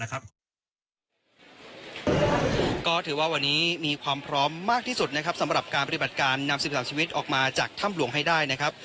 ก็ถือว่าวันนี้มีความพร้อมมากที่สุดสำหรับการปฏิบัติการนำประโยชน์จูกชีวิตออกมาจากท่ำหลวงให้ได้